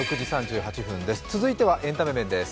続いてはエンタメ面です。